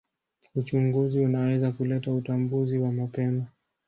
Uchunguzi unaweza kuleta utambuzi wa mapema.